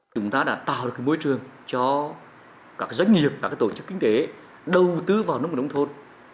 chúng ta đã tạo được môi trường cho các doanh nghiệp các tổ chức kinh tế đầu tư vào nông nghiệp nông thôn